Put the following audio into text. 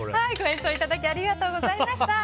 演奏いただきありがとうございました。